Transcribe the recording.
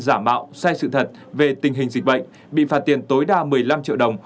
giả mạo sai sự thật về tình hình dịch bệnh bị phạt tiền tối đa một mươi năm triệu đồng